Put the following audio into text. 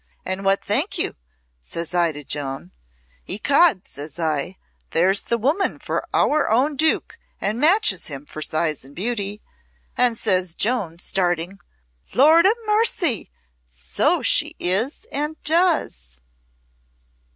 And what think you? says I to Joan, 'Ecod,' says I, 'there's the woman for our own Duke, and matches him for size and beauty!' And says Joan, staring: 'Lord a mercy, so she is and does!'"